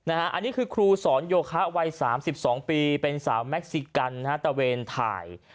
อันนี้คือครูสอนโยคะวัย๓๒ปีเป็นสาวแม็กซิกันตะเวนถ่าย